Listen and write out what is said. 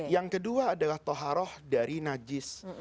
yang kedua adalah toharoh dari najis